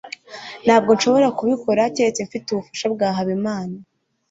ntabwo nshobora kubikora keretse mfite ubufasha bwa habimana